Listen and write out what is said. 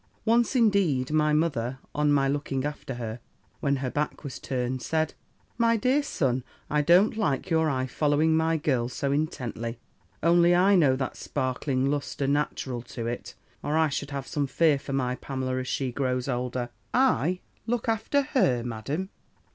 "Once, indeed, my mother, on my looking after her, when her back was turned, said, 'My dear son, I don't like your eye following my girl so intently. Only I know that sparkling lustre natural to it, or I should have some fear for my Pamela, as she grows older.' "'I look after her. Madam!